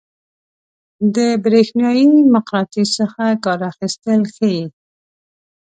د برېښنايي مقناطیس څخه کار اخیستل ښيي.